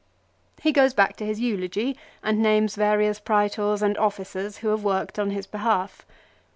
He goes back to his eulogy and names various Praetors and officers who have worked on his behalf.